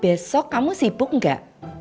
besok kamu sibuk gak